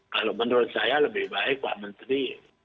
kalau menurut saya lebih baik pak menteri